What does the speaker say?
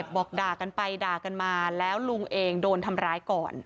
บอกด่ากันไปด่ากันมาแล้วลุงเองโดนทำร้ายก่อน